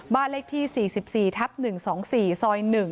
บ้านเลขที่๔๔ทับ๑๒๔ซอย๑